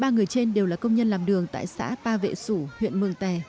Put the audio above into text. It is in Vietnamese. ba người trên đều là công nhân làm đường tại xã ba vệ sủ huyện mường tè